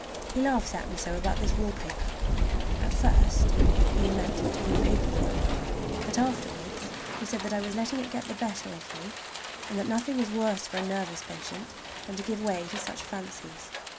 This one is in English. He laughs at me so about this wallpaper! At first he meant to repaper the room, but afterwards he said that I was letting it get the better of me, and that nothing was worse for a nervous patient than to give way to such fancies.